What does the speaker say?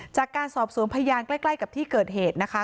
จากการสอบสวนพยานใกล้กับที่เกิดเหตุนะคะ